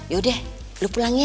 yaudah lu pulang ya